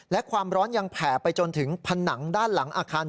และความร้อนยังแผ่ไปจนถึงผนังด้านหลังอาคาร